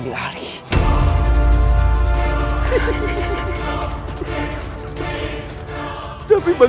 buat ini sukses